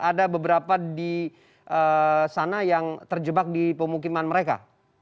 ada beberapa di sana yang terjebak di pemukiman mereka